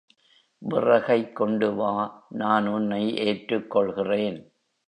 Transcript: விறகைக் கொண்டு வா நான் உன்னை ஏற்றுக் கொள்கிறேன்.